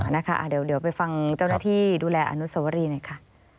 นะคะเดี๋ยวไปฟังเจ้าหน้าที่ดูแลอนุสวรีหน่อยค่ะ